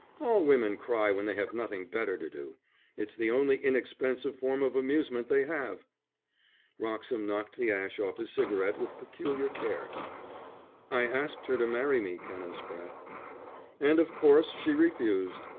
"All women cry when they have nothing better to do. It's the only inexpensive form of amusement they have." Wroxham knocked the ash off his cigarette with peculiar care. "I asked her to marry me, Canon Spratte." "And of course she refused.